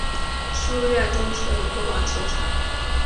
书院东侧有网球场。